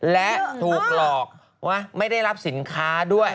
และถูกหลอกว่าไม่ได้รับสินค้าด้วย